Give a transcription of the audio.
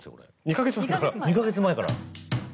２ヶ月前から。